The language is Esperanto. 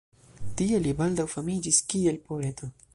Tie li baldaŭ famiĝis kiel poeto.